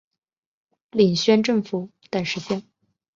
领宣府等十县。